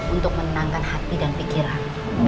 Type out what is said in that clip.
untuk menenangkan hati dan pikiran